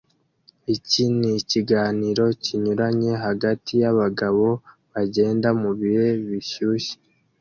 Iki nikiganiro kinyuranye hagati yabagabo bagenda mubihe bishyushye